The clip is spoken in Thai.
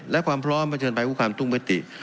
และความพร้อมไปเชิญภายคู่ความทุ่มเวตติ